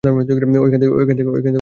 ঐখান থেকে ট্রাক নিয়ে যাব দিল্লিতে।